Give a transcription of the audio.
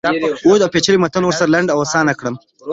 اوږد اوپیچلی متن ورسره لنډ او آسانه کړم.